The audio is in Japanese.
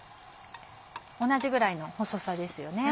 同じぐらいの細さですよね。